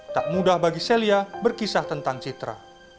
tak mudah bagi celia berkisah tentang citra